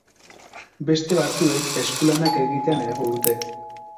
Beste batzuek eskulanak egitea nahiago dute.